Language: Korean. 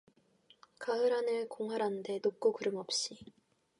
가을 하늘 공활한데 높고 구름 없이